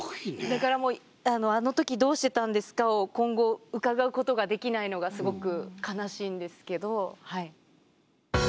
だからもう「あのときどうしてたんですか？」を今後伺うことができないのがすごく悲しいんですけど。